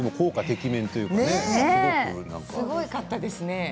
すごかったですね。